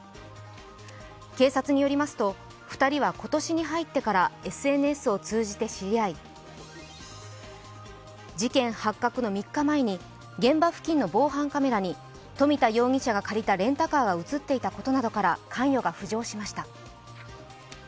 警察によりますと２人は今年に入ってからＳＮＳを通じて知り合い事件発覚の３日前に現場付近の防犯カメラに冨田容疑者が借りたレンタカーが映っていたことなどから関与が浮上しました。